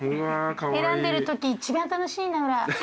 選んでるとき一番楽しいノラ。